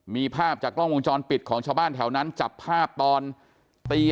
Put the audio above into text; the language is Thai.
มีภาพจากกล้องวงจรปิดของชาวบ้านแถวนั้นจับภาพตอนตี๕